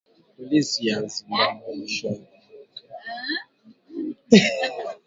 Polisi wa Zimbabwe mwishoni mwa wiki walikizuia chama kikuu cha upinzani nchini humo